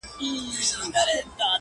o درواغ د ايمان زيان دئ!